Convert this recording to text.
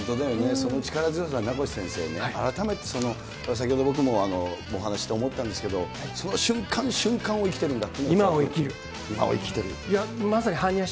その力強さ、名越先生ね、改めて先ほど、僕もお話しして思ったんですけど、その瞬間瞬間を生きてるんだって。